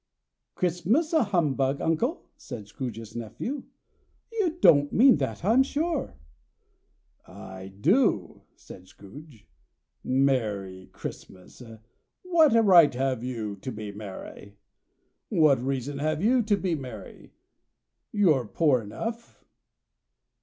"Christmas a humbug, uncle!" said Scrooge's nephew. "You don't mean that, I am sure?" "I do," said Scrooge. "Merry Christmas! What right have you to be merry? What reason have you to be merry? You're poor enough."